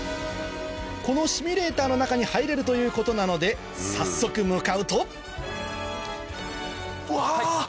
このシミュレーターの中に入れるということなので早速向かうとうわ！